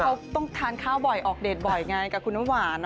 เขาต้องทานข้าวบ่อยออกเดทบ่อยไงกับคุณน้ำหวาน